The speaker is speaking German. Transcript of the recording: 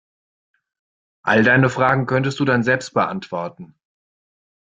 All deine Fragen könntest du dann selbst beantworten.